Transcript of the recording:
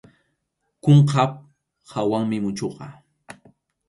Kunkap hawanmi muchʼuqa.